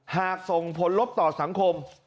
หากส่งผลลบต่อสังคม